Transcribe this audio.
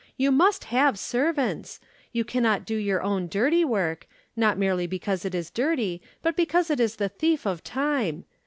You must have servants. You cannot do your own dirty work not merely because it is dirty, but because it is the thief of time.